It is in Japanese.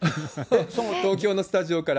東京のスタジオから。